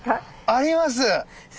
あります。